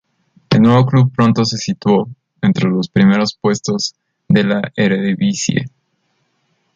El nuevo club pronto se situó entre los primeros puestos de la Eredivisie.